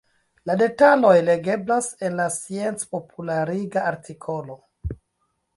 La detaloj legeblas en la sciencpopulariga artikolo.